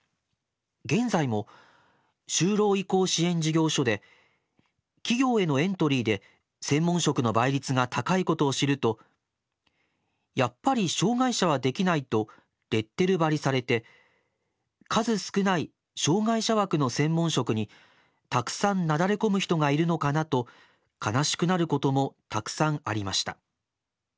現在も就労移行支援事業所で企業へのエントリーで専門職の倍率が高いことを知ると『やっぱり障害者はできない』とレッテルばりされて数少ない障害者枠の専門職に沢山なだれ込む人がいるのかな。と悲しくなることも沢山ありました。